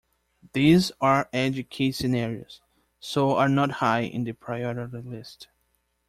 These are edge case scenarios, so are not high in the priority list.